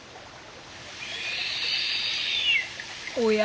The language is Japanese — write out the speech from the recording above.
・おや？